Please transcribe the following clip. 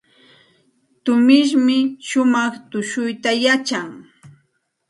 Tumishmi shumaq tushuyta yachan.